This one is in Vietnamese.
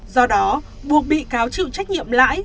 do đó buộc bị cáo chịu trách nhiệm lãi